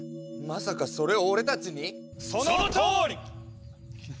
まさかそれを俺たちに⁉そのとおり！